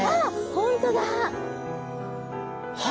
本当だ！